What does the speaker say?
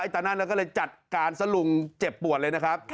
ตอนนั้นแล้วก็เลยจัดการซะลุงเจ็บปวดเลยนะครับ